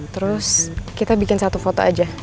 terus kita bikin satu foto aja